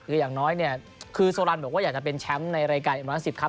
คืออย่างน้อยเนี่ยคือโซรันบอกว่าอยากจะเป็นแชมป์ในรายการอิมราซิปครับ